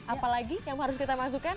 apalagi yang harus kita masukkan